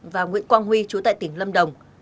và nguyễn quang huy trú tại tỉnh lâm đồng